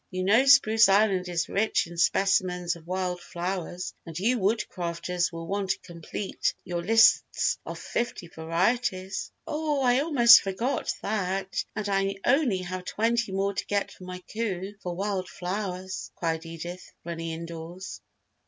You know Spruce Island is rich in specimens of wild flowers and you Woodcrafters will want to complete your lists of fifty varieties." "Oh, I almost forgot that! And I only have twenty more to get for my coup for wild flowers," cried Edith, running indoors.